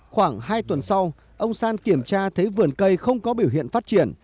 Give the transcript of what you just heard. khoảng hai tuần sau ông san kiểm tra thấy vườn cây không có biểu hiện phát triển